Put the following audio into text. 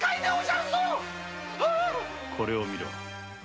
これを見ろ！